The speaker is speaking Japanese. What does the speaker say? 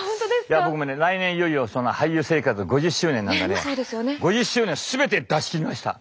いや僕もね来年いよいよ俳優生活５０周年なのでね５０周年全て出し切りました。